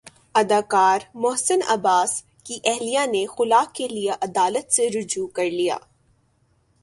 اداکار محسن عباس کی اہلیہ نے خلع کے لیے عدالت سےرجوع کر لیا